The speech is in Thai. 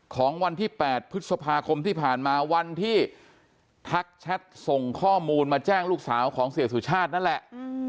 ของวันที่๘พฤษภาคมที่ผ่านมาวันที่ทักแชทส่งข้อมูลมาแจ้งลูกสาวของเสียสุชาตินั่นแหละ